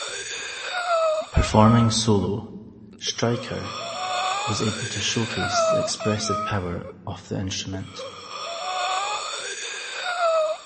Performing solo, Streicher was able to showcase the expressive power of the instrument.